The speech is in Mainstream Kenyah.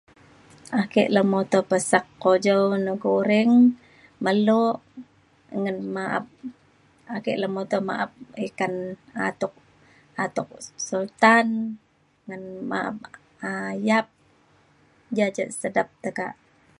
Ake lemuto pesak ujau le goreng melok ngan ma’ap ake lemuto ma’ap ikan atuk atuk sultan ngan ma’ap um yap ja ja sedap tekak